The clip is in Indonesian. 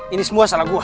ini semua salah gue